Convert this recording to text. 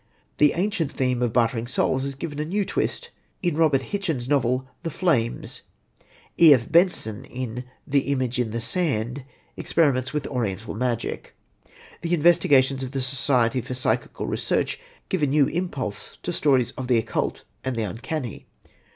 The ancient theme of bartering souls is given a new twist in Robert Hichens' novel, The Flames. E.F. Benson, in The Image in the Sand, experiments with Oriental magic. The investigations of the Society for Psychical Research gave a new impulse to stories of the occult and the uncanny.